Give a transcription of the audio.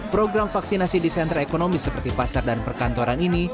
program vaksinasi di senter ekonomi seperti pasar dan perkantoran ini